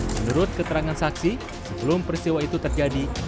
menurut keterangan saksi sebelum peristiwa itu terjadi